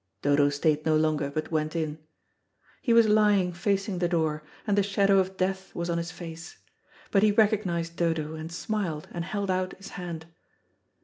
Dodo stayed no longer, but went in. He was lying facing the door, and the shadow of death was on his face. But he recognised Dodo, and smiled and held out his hand.